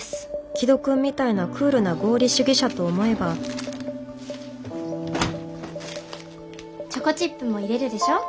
紀土くんみたいなクールな合理主義者と思えばチョコチップも入れるでしょ？